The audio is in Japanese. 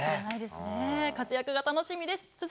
活躍が楽しみです。